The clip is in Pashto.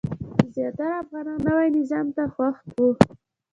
زیاتره افغانان نوي نظام ته خوښ وو.